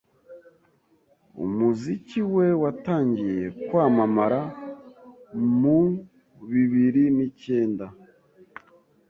Umuziki we watangiye kwamamara mu bibiri n’icyenda